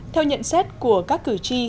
theo nhận xét của các cử tri